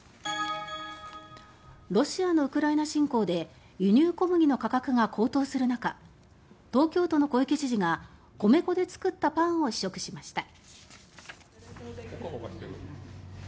ロシアのウクライナ侵攻で輸入小麦の価格が高騰する中東京都の小池都知事が米粉で作ったパンを試食しました。